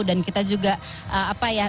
dan kita juga apa ya